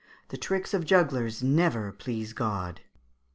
The tricks of jugglers never please God."